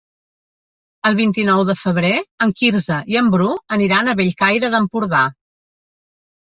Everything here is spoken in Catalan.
El vint-i-nou de febrer en Quirze i en Bru aniran a Bellcaire d'Empordà.